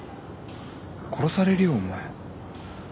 殺されるよお前。